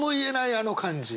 あの感じ。